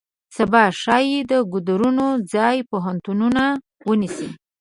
سبا ښایي د ګودرونو ځای پوهنتونونه ونیسي.